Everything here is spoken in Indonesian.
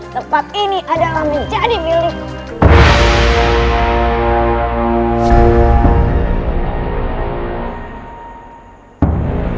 tempat ini adalah menjadi milikmu